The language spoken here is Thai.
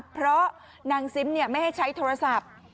เพราะนางซิมไม่ให้ใช้โทรศัพท์